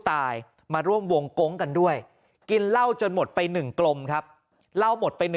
ตายมาร่วมวงกงกันด้วยกินเหล้าจนหมดไป๑กลมครับเหล้าหมดไป๑